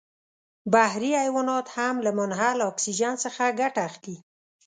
بحري حیوانات هم له منحل اکسیجن څخه ګټه اخلي.